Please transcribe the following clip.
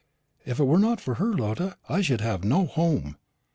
If it were not for her, Lotta, I should have no home.